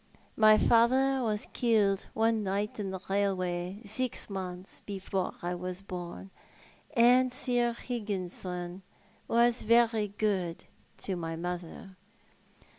My father was killed one night on the railway six months before I was born, and Sir Higginson was very good to my mother.